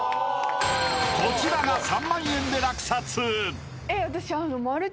［こちらが３万円で落札］